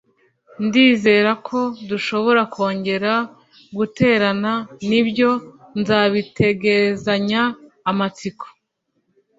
Ndizera ko dushobora kongera guterana. Nibyo, nzabitegerezanya amatsiko.